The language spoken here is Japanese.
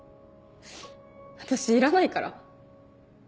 私いらないから。